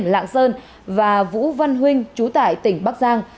lạng sơn và vũ văn huynh chú tại tỉnh bắc giang